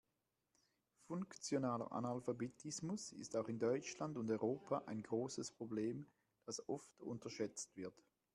Funktionaler Analphabetismus ist auch in Deutschland und Europa ein großes Problem, das oft unterschätzt wird.